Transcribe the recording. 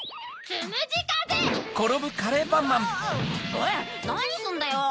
おいなにすんだよ！